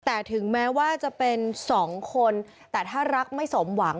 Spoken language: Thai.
แต่ถึงแม้ว่าจะเป็นสองคนแต่ถ้ารักไม่สมหวัง